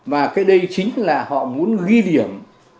và cái đây chính là họ muốn ghi điểm